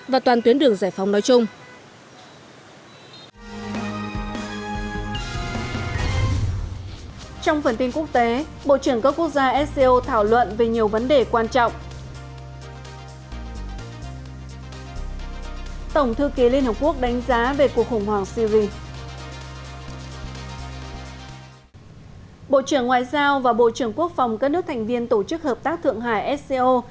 bộ trưởng ngoại giao và bộ trưởng quốc phòng các nước thành viên tổ chức hợp tác thượng hải sco